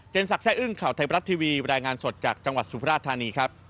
สักแร่อึ้งข่าวไทยบรัฐทีวีรายงานสดจากจังหวัดสุราชธานีครับ